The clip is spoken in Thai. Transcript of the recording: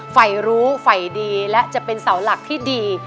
ฝ่ายรู้ฝ่ายดีและจะเป็นเสาหลักที่ดี